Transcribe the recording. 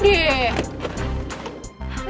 udah ya girls cabut